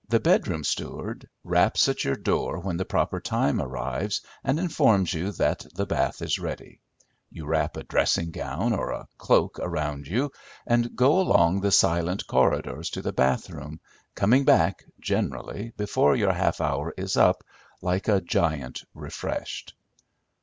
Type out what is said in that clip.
The bedroom steward raps at your door when the proper time arrives, and informs you that the bath is ready. You wrap a dressing gown or a cloak around you, and go along the silent corridors to the bath room, coming back, generally before your half hour is up, like a giant refreshed.